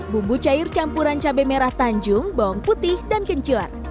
bumbu cair campuran cabai merah tanjung bawang putih dan kencur